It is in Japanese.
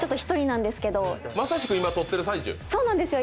そうなんですよ。